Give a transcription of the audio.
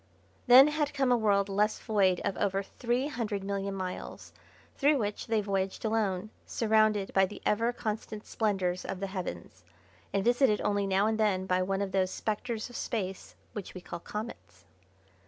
Then had come a world less void of over three hundred million miles, through which they voyaged alone, surrounded by the ever constant splendours of the heavens, and visited only now and then by one of those Spectres of Space, which we call comets.